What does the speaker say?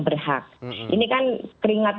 berhak ini kan keringat